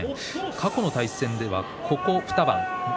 過去の対戦では、ここ２番翠